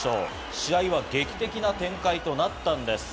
試合は劇的な展開となったんです。